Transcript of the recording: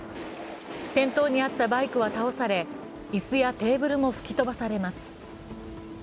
店頭にあったバイクは倒され、椅子やテーブルも吹き飛ばされます。